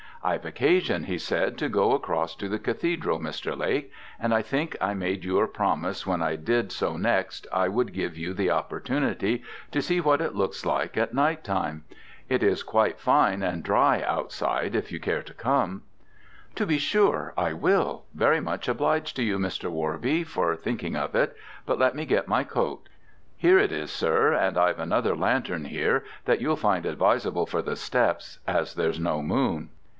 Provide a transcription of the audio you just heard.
"I've occasion," he said, "to go across to the Cathedral, Mr. Lake, and I think I made you a promise when I did so next I would give you the opportunity to see what it looks like at night time. It is quite fine and dry outside, if you care to come." "To be sure I will; very much obliged to you, Mr. Worby, for thinking of it, but let me get my coat." "Here it is, sir, and I've another lantern here that you'll find advisable for the steps, as there's no moon."